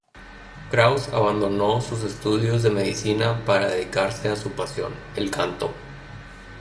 Krause abandonó sus estudios de medicina para dedicarse a su pasión: el canto.